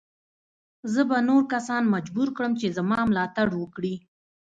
زه به نور کسان مجبور کړم چې زما ملاتړ وکړي.